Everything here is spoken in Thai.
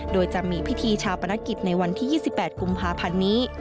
โดยจะมีพิธีชาปนกิจในวันที่๒๘กุมภาพันธ์นี้